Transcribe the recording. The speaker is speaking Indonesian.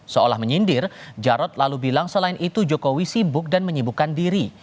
seolah menyindir jarod lalu bilang selain itu jokowi sibuk dan menyibukkan diri